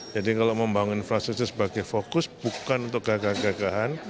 jadi kalau membangun infrastruktur sebagai fokus bukan untuk gagah gagahan